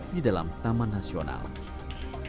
di dalam taman nasional gunung leuser